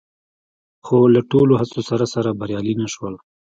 خو له ټولو هڅو سره سره بریالي نه شول